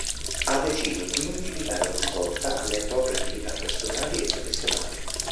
Ha deciso, quindi, di dare una svolta alle proprie attività personali e professionali.